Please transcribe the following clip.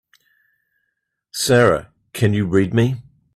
Sara can you read me?